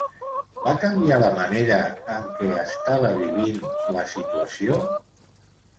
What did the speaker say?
Va canviar la manera en què estava vivint la situació?